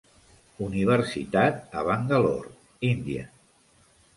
Universitat a Bangalore, Índia.